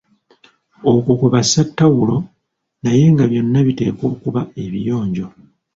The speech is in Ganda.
Okwo kwebassa ttawulo, naye nga byonna biteekwa okuba ebiyonjo.